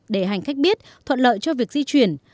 để hành khách biết thuận lợi cho việc di chuyển